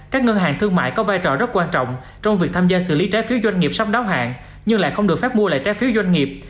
các ngân hàng thương mại có vai trò rất quan trọng trong việc tham gia xử lý trái phiếu doanh nghiệp sắp đáo hạn nhưng lại không được phép mua lại trái phiếu doanh nghiệp